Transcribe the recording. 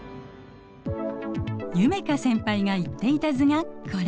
夢叶先輩が言っていた図がこれ。